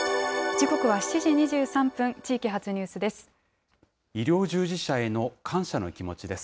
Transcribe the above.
時刻は７時２３分、地域発ニュースです。